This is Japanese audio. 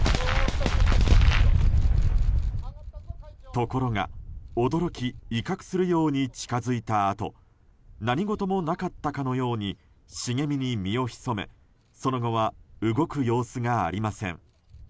ところが、驚き威嚇するように近づいたあと何事もなかったかのように茂みに身を潜めその後は動く様子がありません。